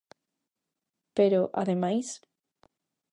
Pero, ademais.